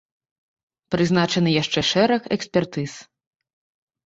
Прызначаны яшчэ шэраг экспертыз.